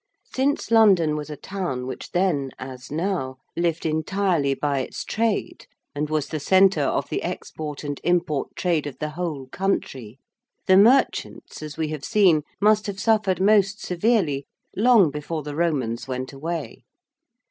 Since London was a town which then, as now, lived entirely by its trade and was the centre of the export and import trade of the whole country, the merchants, as we have seen, must have suffered most severely long before the Romans went away.